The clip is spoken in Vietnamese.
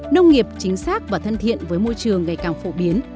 nông nghiệp chính xác và thân thiện với môi trường ngày càng phổ biến